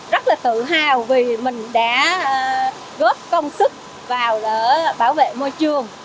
rất là tự hào vì mình đã góp công sức vào để bảo vệ môi trường